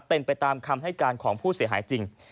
เป็นไปตามคำให้การของผู้เสียหายจริง